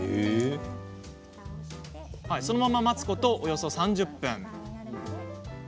そのまま待つこと、およそ３０分。